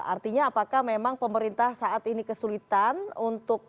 artinya apakah memang pemerintah saat ini kesulitan untuk